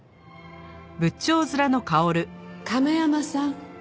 亀山さん。